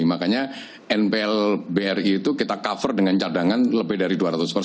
makanya npl bri itu kita cover dengan cadangan lebih dari dua ratus persen